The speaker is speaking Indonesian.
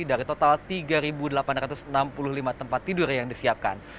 dari total tiga delapan ratus enam puluh lima tempat tidur yang disiapkan